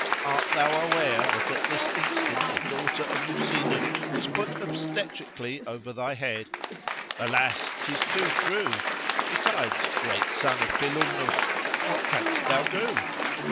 —Art thou aware that at this instant, a daughter of Lucina is put obstetrically over thy head? Alas!—'tis too true.—Besides, great son of Pilumnus! what canst thou do?